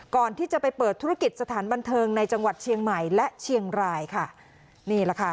ก่อนที่จะไปเปิดธุรกิจสถานบันเทิงในจังหวัดเชียงใหม่และเชียงรายค่ะนี่แหละค่ะ